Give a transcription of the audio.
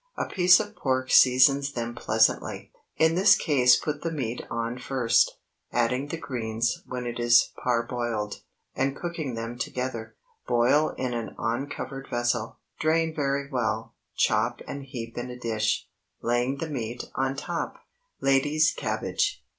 A piece of pork seasons them pleasantly. In this case put the meat on first, adding the greens when it is parboiled, and cooking them together. Boil in an uncovered vessel. Drain very well; chop and heap in a dish, laying the meat on top. LADIES' CABBAGE.